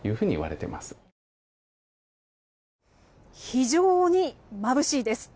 非常にまぶしいです。